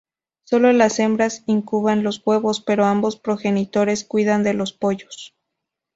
Solo las hembras incuban los huevos, pero ambos progenitores cuidan de los pollos.